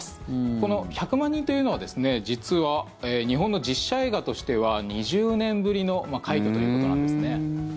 この１００万人というのは実は日本の実写映画としては２０年ぶりの快挙ということなんですね。